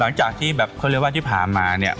หลังจากที่แบบเขาเรียกว่าที่ผ่านมาเนี่ย